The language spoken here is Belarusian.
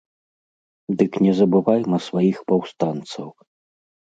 Дык не забывайма сваіх паўстанцаў!